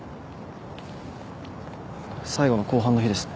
最後の公判の日ですね。